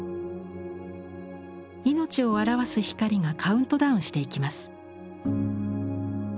命を表す光がカウントダウンしていきます。